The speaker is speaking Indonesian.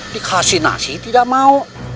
dikasih nasi tidak mau